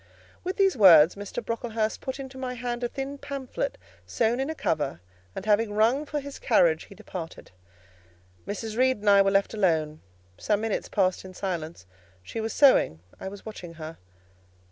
'" With these words Mr. Brocklehurst put into my hand a thin pamphlet sewn in a cover, and having rung for his carriage, he departed. Mrs. Reed and I were left alone: some minutes passed in silence; she was sewing, I was watching her.